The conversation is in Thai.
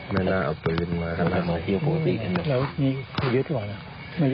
ไม่น่าเอาประวิธรมา